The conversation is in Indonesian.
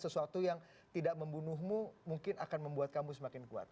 sesuatu yang tidak membunuhmu mungkin akan membuat kamu semakin kuat